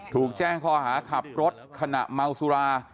ถูกแจ้งข้อหาขับรถขณะเมาสุรา